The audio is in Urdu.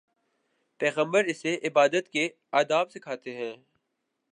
پیغمبر اسے عبادت کے آداب سکھاتے ہیں۔